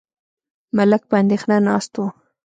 ملک په اندېښنه ناست و.